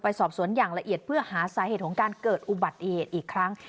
สอบสวนอย่างละเอียดเพื่อหาสาเหตุของการเกิดอุบัติเหตุอีกครั้ง